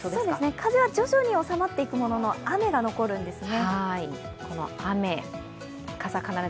風は徐々に収まっていくものの、雨は残るんですね。